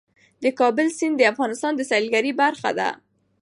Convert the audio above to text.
د کابل سیند د افغانستان د سیلګرۍ برخه ده.